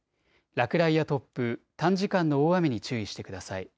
落雷や突風、短時間の大雨に注意してください。